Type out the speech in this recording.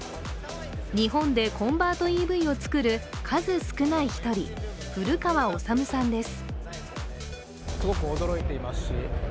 日本でコンバートＥＶを造る数少ない一人、古川治さんです。